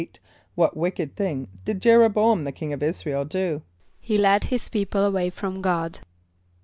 = What wicked thing did J[)e]r o b[=o]´am the king of [)I][s+]´ra el do? =He led his people away from God.